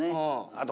あと。